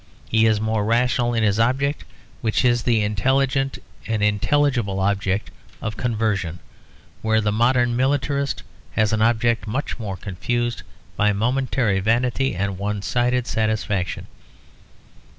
He is more rational in his object, which is the intelligent and intelligible object of conversion; where the modern militarist has an object much more confused by momentary vanity and one sided satisfaction.